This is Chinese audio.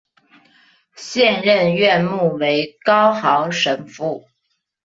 现任院牧为高豪神父。